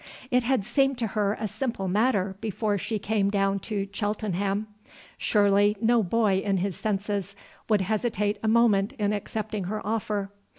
It had seemed to her a simple matter before she came down to Cheltenham. Surely no boy in his senses would hesitate a moment in accepting her offer.